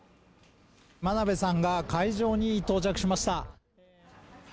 真鍋さんが会場に到着しました。